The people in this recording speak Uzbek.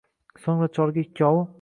So‘ngra cholga ikkovi